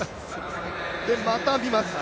また見ます。